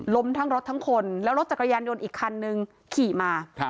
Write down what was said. ทั้งรถทั้งคนแล้วรถจักรยานยนต์อีกคันนึงขี่มา